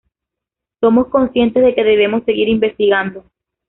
somos conscientes de que debemos seguir investigando.